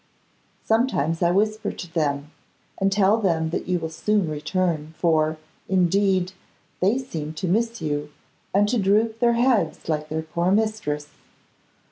Sometimes I whisper to them, and tell them that you will soon return, for, indeed, they seem to miss you, and to droop their heads like their poor mistress.